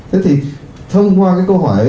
thế thì thông qua cái câu hỏi ấy